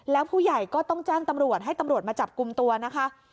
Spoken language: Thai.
แล้วผู้ใหญ่ก็ต้องแจ้งตำรวจให้ตำรวจมาจับกลุ่มตัวนะคะ